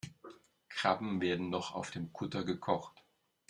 Krabben werden noch auf dem Kutter gekocht.